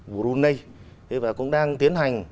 brunei và cũng đang tiến hành